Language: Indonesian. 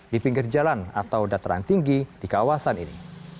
di pinggir jalan atau dataran tinggi di kawasan ini